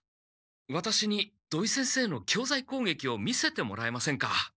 ワタシに土井先生の教材攻撃を見せてもらえませんか？